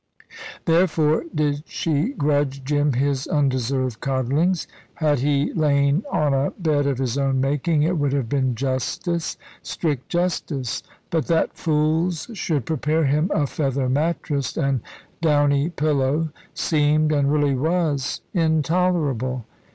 Therefore did she grudge Jim his undeserved coddlings. Had he lain on a bed of his own making, it would have been justice strict justice; but that fools should prepare him a feather mattress and downy pillow seemed, and really was, intolerable.